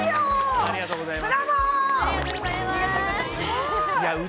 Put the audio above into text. ありがとうございます。